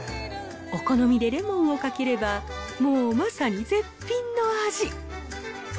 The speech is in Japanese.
お好みでレモンをかければもうまさに絶品の味。